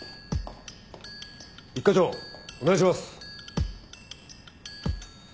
一課長お願いします。